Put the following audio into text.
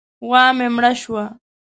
غوا مې مړه شوه.